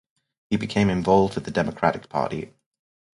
He became involved with the Democratic Party.